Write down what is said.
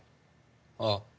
ああ。